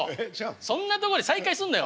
そんなとこで再開すんなよ！